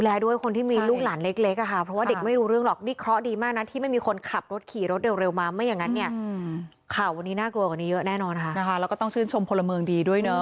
แล้วมันก็คลานขึ้นไปเลยอย่างไร